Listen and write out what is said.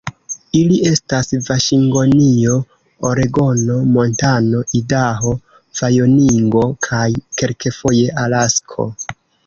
Ili estas Vaŝingtonio, Oregono, Montano, Idaho, Vajomingo kaj kelkfoje Alasko.